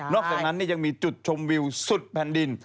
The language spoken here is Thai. อกจากนั้นยังมีจุดชมวิวสุดแผ่นดิน